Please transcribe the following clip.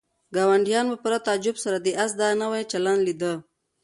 ګاونډیانو په پوره تعجب سره د آس دا نوی چلند لیده.